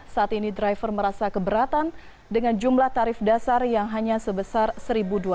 saat ini driver merasa keberatan dengan jumlah tarif dasar yang hanya sebesar rp satu dua ratus